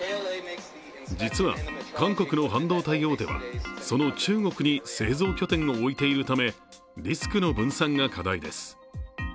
実は韓国の半導体大手は、その中国に製造拠点を置いているため、リスクの分散が課題です。